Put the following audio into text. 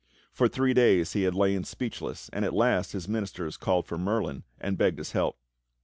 For three days he had lain speechless, and at last his ministers called for Merlin and begged his help.